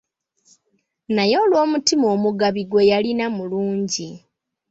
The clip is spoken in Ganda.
Naye olw’omutima omugabi gwe yalina mulungi.